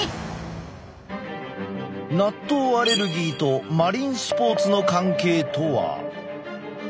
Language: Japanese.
納豆アレルギーとマリンスポーツの関係とは？